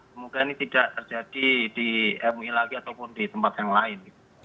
semoga ini tidak terjadi di mui lagi ataupun di tempat yang lain